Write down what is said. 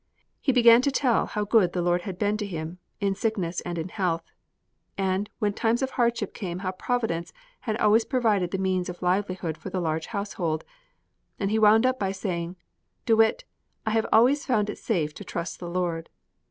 He began to tell how good the Lord had been to him, in sickness and in health, and when times of hardship came how Providence had always provided the means of livelihood for the large household; and he wound up by saying, "De Witt, I have always found it safe to trust the Lord."